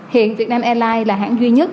hiện việt nam airlines là hãng duy nhất